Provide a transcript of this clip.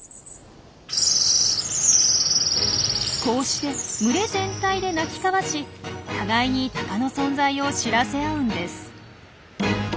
こうして群れ全体で鳴き交わし互いにタカの存在を知らせ合うんです。